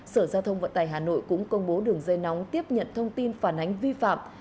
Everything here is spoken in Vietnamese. sở giao thông vận tài hà nội cũng công bố đường dây nóng tiếp nhận thông tin phản ánh vi phạm